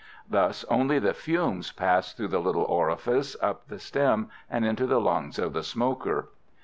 Thus only the fumes pass through the little orifice, up the stem and into the lungs of the smoker.